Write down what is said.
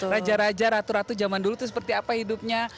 raja raja ratu ratu zaman dulu itu seperti apa hidupnya